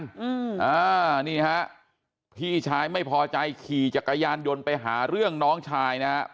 อืมอ่านี่ฮะพี่ชายไม่พอใจขี่จักรยานยนต์ไปหาเรื่องน้องชายนะฮะ